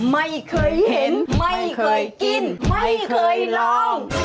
ไม่เคยเห็นไม่เคยกินไม่เคยลอง